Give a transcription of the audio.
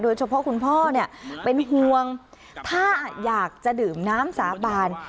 คุณพ่อเนี่ยเป็นห่วงถ้าอยากจะดื่มน้ำสาบาน